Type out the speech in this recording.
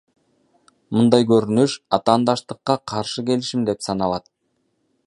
Мындай көрүнүш атаандаштыкка каршы келишим деп саналат.